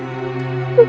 kamu mau ke pos